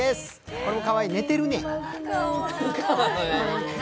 これもかわいい、寝てるね。